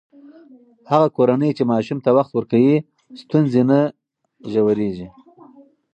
هغه کورنۍ چې ماشوم ته وخت ورکوي، ستونزې نه ژورېږي.